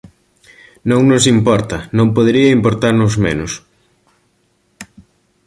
Non nos importa, non podería importarnos menos.